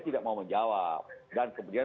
tidak mau menjawab dan kemudian